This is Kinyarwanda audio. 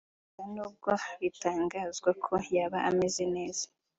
Gusa n’ubwo bitangazwa ko yaba ameze neza